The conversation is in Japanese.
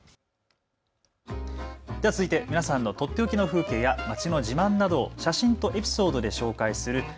続いて皆さんのとっておきの風景や街の自慢などを写真とエピソードで紹介する＃